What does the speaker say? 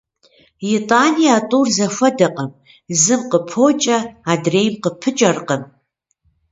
Итӏани а тӏур зэхуэдэкъым: зым къыпокӏэ, адрейм къыпыкӏэркъым.